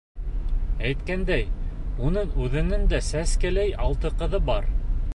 Әйткәндәй, уның үҙенең дә сәскәләй алты ҡыҙы бар.